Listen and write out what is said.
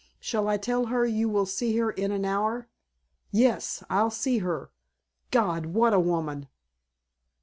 Shall I tell her you will see her in an hour?" "Yes, I'll see her. God! What a woman."